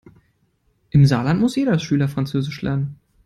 Im Saarland muss jeder Schüler französisch lernen.